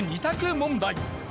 ２択問題。